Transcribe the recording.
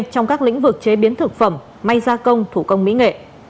trong các lĩnh vực chế biến thực phẩm may gia công thủ công mỹ nghệ